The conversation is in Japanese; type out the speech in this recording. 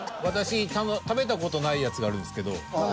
私食べた事ないやつがあるんですけど。